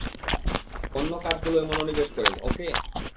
অন্য কাজগুলোয় মনোনিবেশ করেন, ওকে?